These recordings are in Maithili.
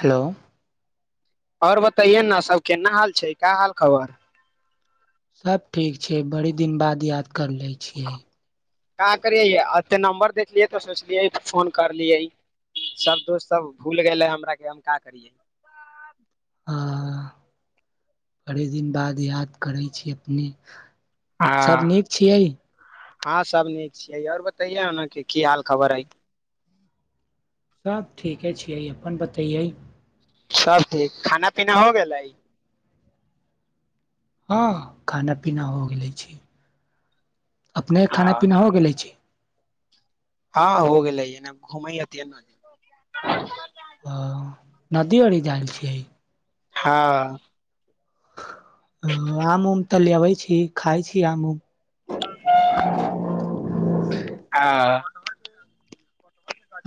हेलो आओर बताैयए ने सब केना हाल छै का हाल खबर सब ठीक छै बड़ी दिन बाद याद कर ले छियै का करियै एते नम्बर देखलियै तऽ सोचलियै फोन करलियै सभ दोस्त सभ भूल गेलै हमराे हम क करियै आ बड़े दिन बाद याद करै छी अपने सब नीक छियै हँं सब नीक छियै आऔर बतैयेना के की हाल खबर है सब ठीके छियै अपन बतैयै सब ठीक खाना पीना हो गेलै हँ खाना पीना हो गेले छै अपने खाना हँ पीना हो गेले छी हँ हो गेल लै घुमाइ आ नदी आरी जाल छियै हँ ओ आम उम तऽ लेबै छी खाय छी आम उम आ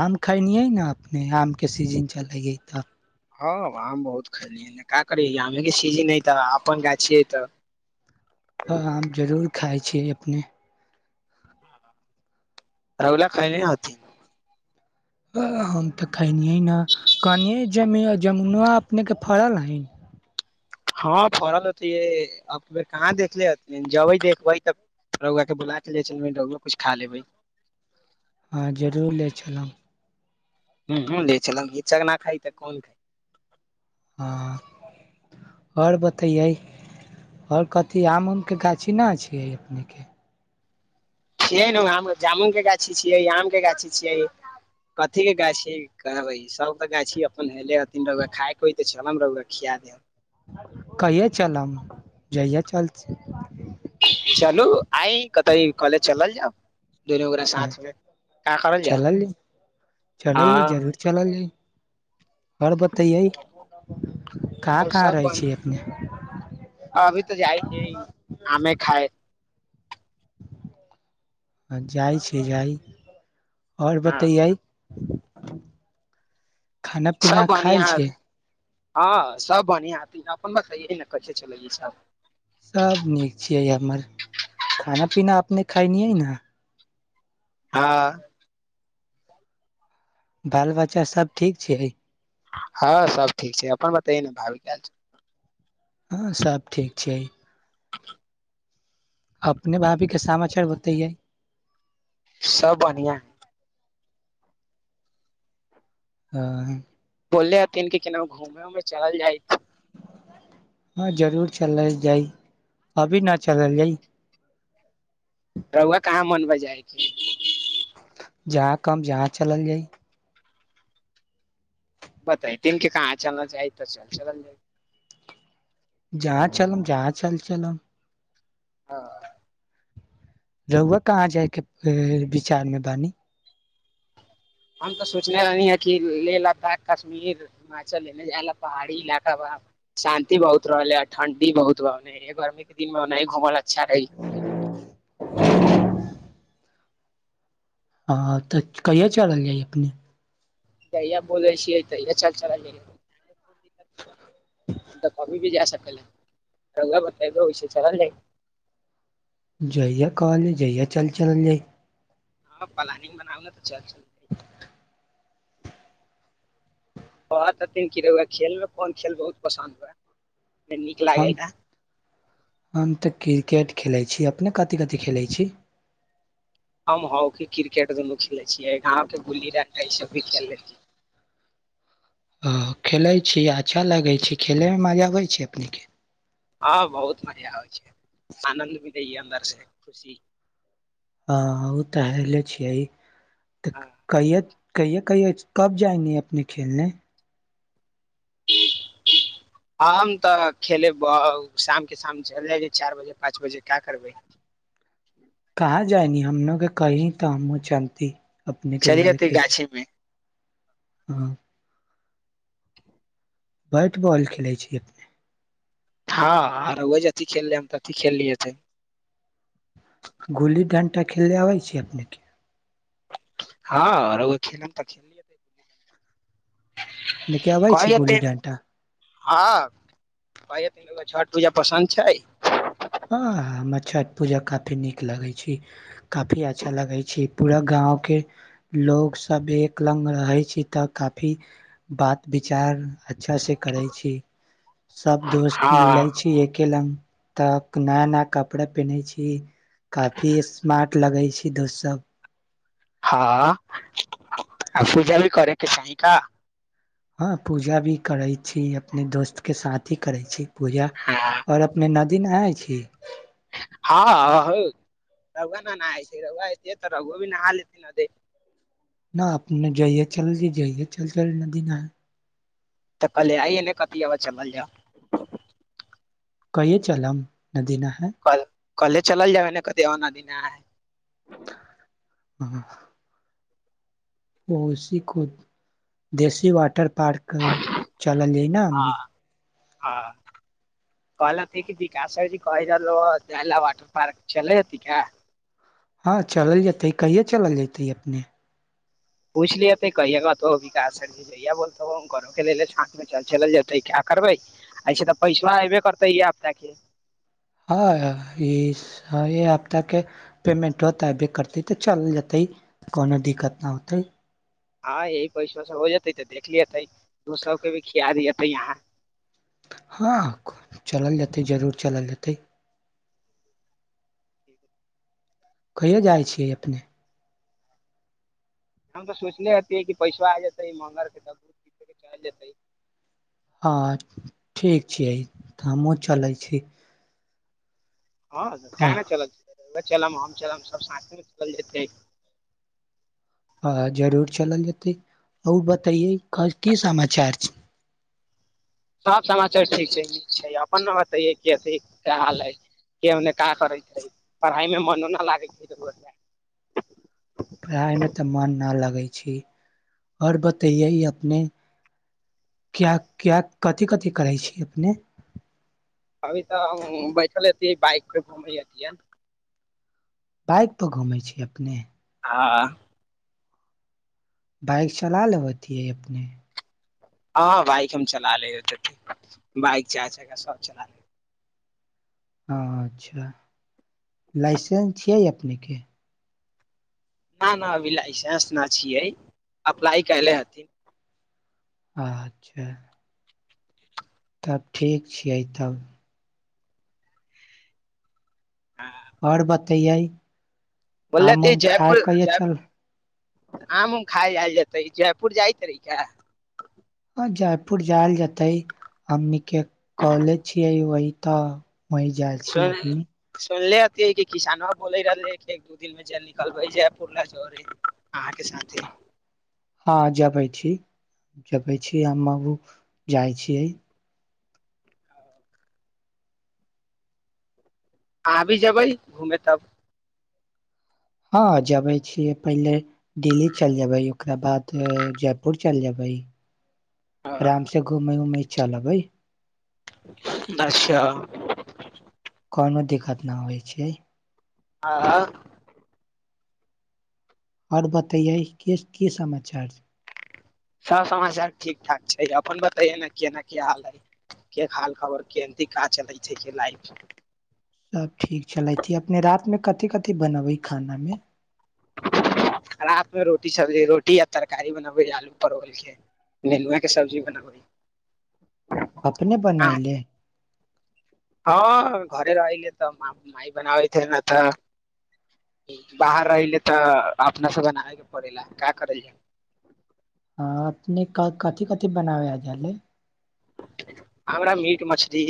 आम खैनियै ने अपने आम के सीजन चलै ह इधर हँ आम बहुत खलियै नका करी आमेके सीजन ह तऽ अपन गाछि हय तऽ हँ हँ आम जरूर खाइ छियै अपने रौला खइल नथ हम तऽ खलियै ने कहनियै जम जमुना अपने के फड़ल हइ हँ फड़ल होतै अब बेर कहाँ देखले हथि जबै देखबै तब रहुुआ के बुला के ले रुआ कुछ खा लेबै हँ जरूर ले चलब हूँ हूँ ले चलव हिचक ना खइ तऽ कोन खइ हँ आओर बतैयै आओर कथी आम उमके गाछी नहि छियै अपनेके खिय ने जामुनक के गाछी छियै आम के गाछी छियै कथी के गाछी कहबै सब तऽ गाछी अपन हेले हथिन रुआ खायके होइ तऽ चल र खिया दे कहिया चलब जहियए चल छी चलू आइ कत कॉलेज चलल जाउ दुन हँ साथमे का करल जा चलल चलल हँ जरूर चलल आओर बतैयै कहाँ कहाँ सब रहै बन छी अपने अभी तऽ जाइ छैिय आमे खाए आ जाइ छी जाइ आओर हँ बतैयै खाना पीना सब खायल बनिहा छिय हँ सब बढ़िया हेते अपन बतैयै न कैसे चलै यै सब सब नीक छिय हमर खाना पीना अपने खायनि ने हँ बाल बच्चा सभ ठीक छियै हँ सब ठीक छै अपन बताैए ने भाभी के हाल चाल हँ सभ ठीक छियै अपने भाभी के समाचार बतैयै सब बढ़िआँ ओ बोलले हथिन कि केना घूमे उमे चल जाय हँ जरूर चलल जाइ अभी न चलल जाइ रउआ कहाँ मनबे जाइ छी जहाँ कहब जहाँ चलल जाइ बताय दिन के का जहाँ चलना चाही तऽ चल चलल जाइ जहाँ चलम जहाँ चल चलम हँ रहुुआ कहाँ जायके विचार मे बानी हम तो सोचने रहलै ह की रे लद्दाख कश्मीर हिमाचलने जायल पहाड़ी इलाका ब शान्ति बहुत रहलै ठण्डी बहुत गर्मी के दिन मेना घूमल अच्छा रहै हँ तऽ कहिआ चलल जाइ कनी जहिया बोलै छियै तहिया च च जाइ तऽ की भी जा सका बतै चलल जाय जइय कलज जइय चल चलन जा हँ प्लानिंग बनाबल तऽ चल चलि [inaudible] कह छथिन की रहै हुए खेलमे कोन खेल बहुत पसन्द हुए हँ हम तऽ क्रिकेट खेलैत छी अपने कथी कथि खेलैत छी हम हॉकी क्रिकेट दुनू खेलै छियै गाँके गुल्ली डण्डटा ईसभ भी खेल लतियै ह खेलैत छी अच्छा लगैत छै खेलयमे मजा आबैत छै अपनेके हँ बहुत मजा आबै छै आनन्द मिलैय अन्दर से खुशी हँ ओ तऽ हले छियै तऽ हँ कहिया कहियए कहियए कब जाएंगे अपने खेलेलने हम तऽ खेलेब शाम के शाम चलि जायब चारि बजे पाँच बजे का करबै कहाँ जाइनी हमनो के कह तऽ हमु चैल जातै गाछीमे हँ [inaudible] बैट बॉल खेलै छियै हँ आ रोआ जथि खेल लेहम तथि खेल लिएतै गुली डण्टा खेले आबै छै अपने के हँर रोआ खेलम तऽ खेल अपने के [unintelligible] आबै छी कहै गुल्ली हथिन डंटा हँ कहियो [unintelligible] गो छठ पूजा पसन्द छै हँ हमरा छठ पूजा काफी नीक लगै छी काफी अच्छा लगै छी पूरा गाँवके लोक सब एक लग रहै छी तऽ काफी बात विचार अच्छा से करै छी सब दोस्त हँ मिलै छी एके लंग तऽ नया नया कपड़ा पेन्है छी काफी स्मार्ट लगे छै ई दोस्त सब हँ आ पूजा भी करै के चाही का हँ पूजा भी करै छी अपने दोस्त के साथ ही करै छी पूजा हँ आओर अपने नद दी नहाई छी हँ रौआ न नहाइ छै रौआ एतिहे तऽ रौओ भी नहा लेति न एतै न अपने जाइए चल दी जाइये चल चल नदी नहाई तऽ कल्हे आइए ने कति चबा चलल जाउ कहिया चलम नदी नहाय कल कल्हे चलल जाै कदीआ बा नदी नहाई हँ ओ उसी को देसी वाटर पार्क चलल जाइ न हमनी हँ कहलत हइ की विकास सर जी कहैत रहलो ह जाइ लऽ वॉटर पार्क चलै हति का हँ चलल जेतै कहिया चलल जेतै अपने पूछ ले हेतै कहिया कहतो विकास सरजी जहिया बोलतवो उनकरोे के लेले साथये चल चलल जेतै का करबै ऐसे तऽ पैसबा एबे करतै [unintelligible] हँ ई हँ ऐ हपताके पेमेंटबा तऽ अयबे करतै तऽ चलल जेतै कोनो दिक्कत नय होतै हँ यही पैसबा सब हो जेतै तऽ देख लियेेतै दोस्त सभके भी खिया दिअतै यहाँ हँ चलल जेतै जरूर चलल जेतै कहियो जाइ छियै अपने हम तऽ सोचनेे हतीयै कि पैसबा आ जेतै मंगल के घुम पी चल जेतै हाँ ठीक छियै तऽ हमहुँ चलै छी हँ तऽ काहे न चलल जेतै चलब हम चलब सब साथेमे चलल जेतै हँ जरूर चलल जेतै आउर बतइे की समाचार छै सब समाचार ठीक छै नीक छै अपन न बतैये कथि क हाल हइ के ओने का करै छै पढ़ाइ मे मनो नइ लागै छै पढ़ाइमे तऽ मन नऽ लगै छी आओर बतैयै अपने क्या क्या कथि कथि करै छी अपने अभी तऽ बैठल बाइक प घुमै अतियन बाइकप घूमै छी अपने आँ बाइक चला लेबती है अपने हँ बाइक हम चलाले बाइक चार चक्का सब चला लेब हँ अच्छा लाइसेंस छियै अपनेके हाँ ना नहि अभी लाइसेंस नहि छियै अप्लाइ कयले हथिन अच्छा तब ठीक छियै तब आओर बतैियै बोलल त जयपुर जय ऽ आम उम खाय आयल जेतै जयपुर जाइत रैहि का जयपुर जायल जेतै हमनीके कॉलेज छियै वहि तऽ वही जाइ छी सुन अपने सुनलिय है किसानो बोले रहल है कि एक दू दिन मे ज निकलबै पुरला जर है अहाँके साथे हँ जबै छी जबै छी हमाबू जाइ छियै अह भी जेबै घूमे तब हँ जबै छियै पहिले दिल्ली चलि जेबै ओकरा बाद जयपुर चलि जबै आराम से घूमेै उमे चलबै अच्छा कोनो दिक्कत नहि होइ छै आ आओर बतैयै की समाचार सब समाचार ठीक ठाक छै अपन बतैय ने केना क हाल है के हाल खबर केहनती काज चलै छै के लाइफ सभ ठीक छलै कि अपने रातिमे कथि कथि बनबै खानामे रातमे रोटी सब्जी रोटी आ तरकारी बनबै आलू परोर के नेनुआँ के सब्जी बनबै अपने अहाँ बनइले हँ घरे रहले तऽ मााय बनाबैे न तऽ बाहर रहले तऽ अपनासँ बनाबेके पड़े ला का करल जा हाँ अपने कथि कथि बनाबै झले हमरा मीट मछली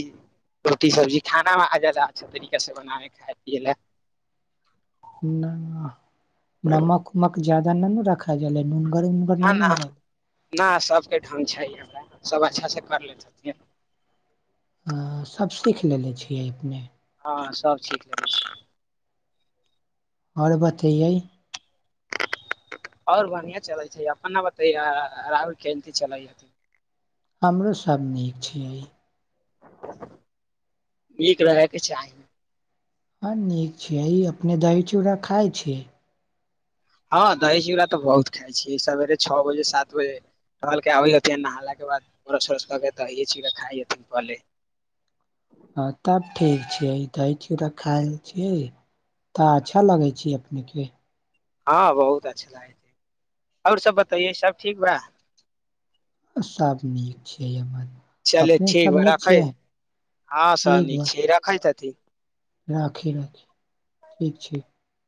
रोटी सब्जी खानामे आ जादा अच्छा तरीकासँ बनाबै खााय पियै लए नुनु रखाय जाले नून क ना ना ना सभके ढ्ग छै हमरा सब अच्छासँ कर ले छथिन हाँ सभ सीख लेलने छियै अपने हँ सब ठीक ल छैय। आओर बतैैयय। आओर बढ़िआ चलैत छै अपने बतैय राहुल केन चलै हथिन हमरोसभ नीक छियै एक रहके चाही हँ नीक छैिय अपने दही चूड़ा खााय छीयै हँ दही चूड़ा तऽ बहुत खाइ छियै सवेरे छओ बजे सात बजे टलकेऽ आबै हथिन नहेलाके बाद ब्रस उ्रस कऽ कऽ दहए चूड़ा खाइ हथिन पहिले हँ तब ठीक छियै दही चुड़ा खायल छीय तऽ अच्छा लगै छी। नीके हँ बहुत अच्छा लागै छैय आओर सब बतैेयय सब ठीक बा? आ सभ नीक छैय हमर। चलय अपने ठीक सब बा नीक रखै छिये? हँं सब नीक छैय रखय त। [unintelligible] राखी राखी ठीक छैय।